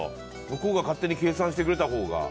向こうが勝手に計算してくれたほうが。